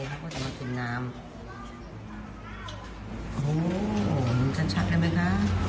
เขาก็จะมากินน้ำโอ้โหชัดชัดได้ไหมคะ